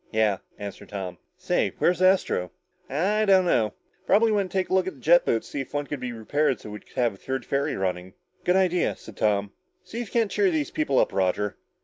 "Yeah," answered Tom. "Say, where's Astro?" "I don't know. Probably went to take a look at the jet boats to see if one could be repaired so we'd have a third ferry running." "Good idea," said Tom. "See if you can't cheer these people up, Roger.